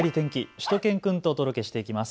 しゅと犬くんとお届けしていきます。